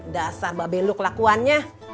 dasar mbak belu kelakuannya